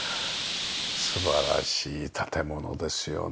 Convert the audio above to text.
素晴らしい建物ですよね。